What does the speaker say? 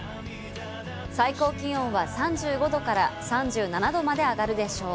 最高気温は３５度から３７度まで上がるでしょう。